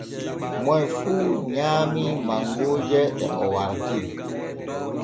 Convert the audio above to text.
Moy fu nyaamii mangooje ɗee ɗo o wartiri.